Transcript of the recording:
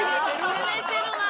攻めてるなあ！